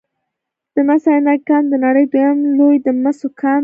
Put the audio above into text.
د مس عینک کان د نړۍ دویم لوی د مسو کان دی